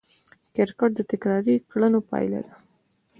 کرکټر د تکراري کړنو پایله ده.